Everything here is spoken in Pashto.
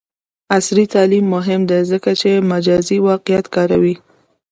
عصري تعلیم مهم دی ځکه چې مجازی واقعیت کاروي.